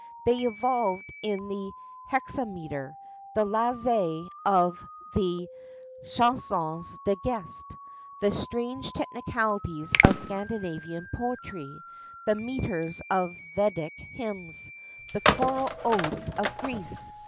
They evolved the hexameter; the laisse of the Chansons de Geste; the strange technicalities of Scandinavian poetry; the metres of Vedic hymns; the choral odes of Greece.